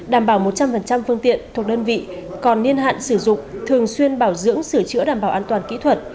đảm bảo một trăm linh phương tiện thuộc đơn vị còn niên hạn sử dụng thường xuyên bảo dưỡng sửa chữa đảm bảo an toàn kỹ thuật